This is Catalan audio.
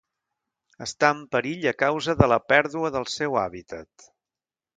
Està en perill a causa de la pèrdua del seu hàbitat.